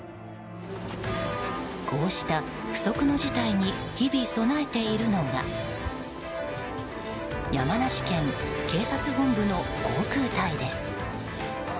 こうした不測の事態に日々備えているのが山梨県警察本部の航空隊です。